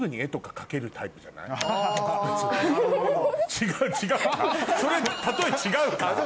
違うかそれ例え違うか。